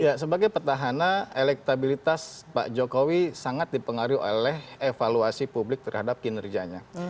ya sebagai petahana elektabilitas pak jokowi sangat dipengaruhi oleh evaluasi publik terhadap kinerjanya